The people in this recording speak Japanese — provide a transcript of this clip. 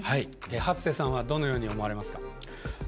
初瀬さんはどのように思われますか？